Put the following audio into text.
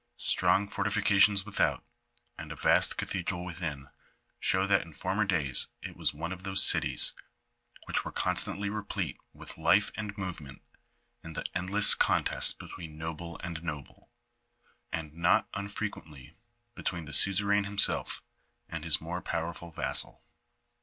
Strong fortifications without, and a vast cathedral within, show that in former days it was one of those cities which were constantly replete with life and movement in the endless contests between noble and noble, and not unfrequently between the suzerain himself and his more powerful vassal.